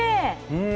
うん。